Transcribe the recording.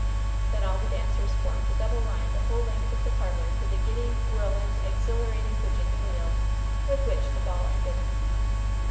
Then all the dancers formed a double line the whole length of the parlor, for the giddy, whirling, exhilarating Virginia reel, with which the ball ended.